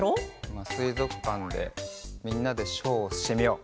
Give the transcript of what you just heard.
まっすいぞくかんでみんなでショーをしてみよう！